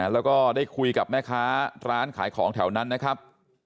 แล้วก็ได้คุยกับแม่ค้าร้านขายของแถวนั้นนะครับ